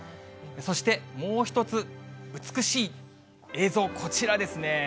そしてもう一つ、美しい映像、こちらですね。